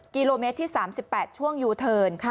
กิโลเมตรที่๓๘ช่วงยูเทิร์น